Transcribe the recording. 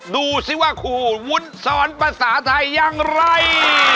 ดูสิว่าครูวุ้นสอนภาษาไทยอย่างไร